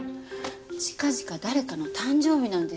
近々誰かの誕生日なんですよ。